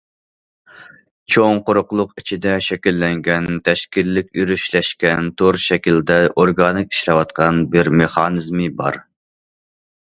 چوڭ قۇرۇقلۇق ئىچىدە شەكىللەنگەن، تەشكىللىك، يۈرۈشلەشكەن، تور شەكىلدە ئورگانىك ئىشلەۋاتقان بىر مېخانىزمى بار.